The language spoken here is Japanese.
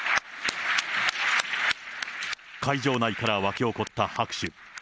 会場内から沸き起こった拍手。